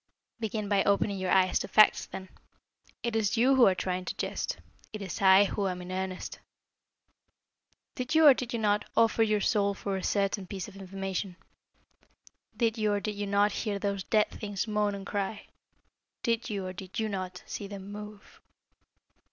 "Begin by opening your eyes to facts, then. It is you who are trying to jest. It is I who am in earnest. Did you, or did you not, offer your soul for a certain piece of information? Did you, or did you not, hear those dead things moan and cry? Did you, or did you not, see them move?"